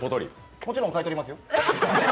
もちろん買い取りますよ。